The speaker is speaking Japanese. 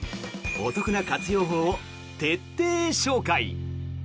お得な活用法を徹底紹介。